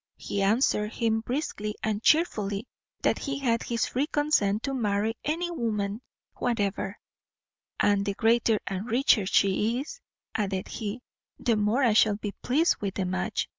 He answered him briskly and chearfully, that he had his free consent to marry any woman whatever; "and the greater and richer she is," added he, "the more I shall be pleased with the match.